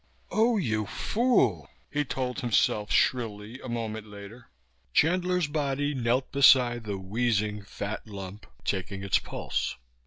_ "Oh, you fool," he told himself shrilly a moment later. Chandler's body knelt beside the wheezing fat lump, taking its pulse.